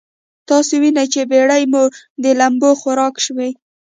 تاسې وينئ چې بېړۍ مو د لمبو خوراک شوې.